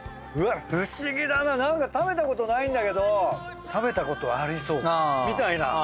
うわ不思議だな食べたことないんだけど食べたことありそうみたいな。